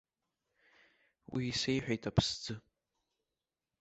Уи исеиҳәеит аԥсӡы.